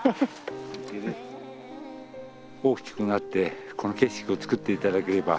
大きくなってこの景色をつくって頂ければ。